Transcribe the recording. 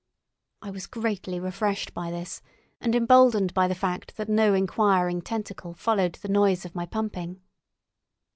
I was greatly refreshed by this, and emboldened by the fact that no enquiring tentacle followed the noise of my pumping.